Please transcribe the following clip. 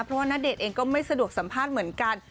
เพราะว่าณเดชน์เองก็ไม่สะดวกสัมภาษณ์เหมือนกัน